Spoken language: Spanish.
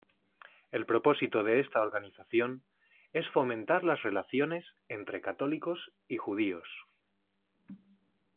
El propósito de esta organización es fomentar las relaciones entre católicos y judíos.